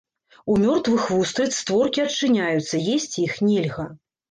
У мёртвых вустрыц створкі адчыняюцца, есці іх нельга.